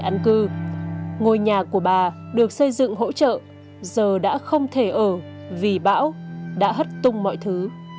an cư ngôi nhà của bà được xây dựng hỗ trợ giờ đã không thể ở vì bão đã hất tung mọi thứ